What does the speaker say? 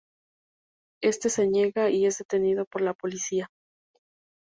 Éste se niega y es detenido por la policía.